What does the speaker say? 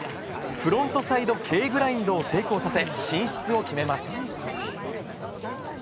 フロントサイドＫグラインドを成功させ、進出を決めます。